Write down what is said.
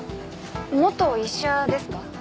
元医者ですか？